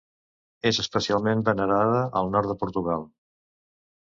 És especialment venerada al nord de Portugal.